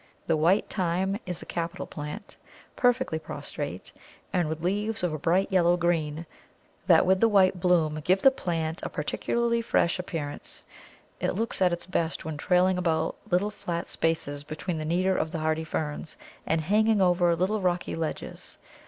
The white Thyme is a capital plant, perfectly prostrate, and with leaves of a bright yellow green, that with the white bloom give the plant a particularly fresh appearance. It looks at its best when trailing about little flat spaces between the neater of the hardy Ferns, and hanging over little rocky ledges.